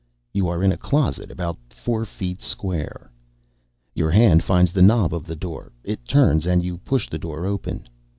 You are in a closet about four feet square. Your hand finds the knob of the door. It turns and you push the door open.